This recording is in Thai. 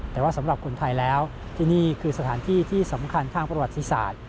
แต่ว่าสำหรับคนไทยแล้วที่นี่คือสถานที่ที่สำคัญทางประวัติศาสตร์